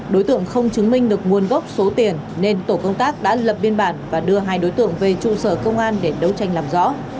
đối tượng không chứng minh được nguồn gốc số tiền nên tổ công tác đã lập biên bản và đưa hai đối tượng về trụ sở công an để đấu tranh làm rõ